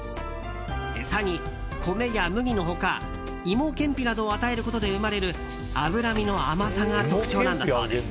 餌に米や麦の他、芋けんぴなどを与えることで生まれる脂身の甘さが特徴なんだそうです。